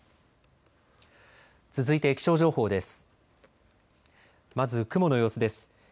続いて気象情報です。